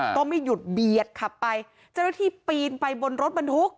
ก็ไม่หยุดเบียดขับไปเจ้าหน้าที่ปีนไปบนรถบรรทุก